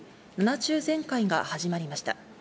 ７中全会が始まりました。